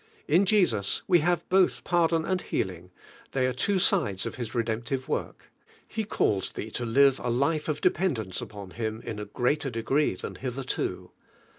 In Jesus we have hnth pardon anil hen] in;:', lliey are two sides of 1 Tin redemptive work. He calls thee to live a life of de pendence upon Him in a greater degree lhan hitherto.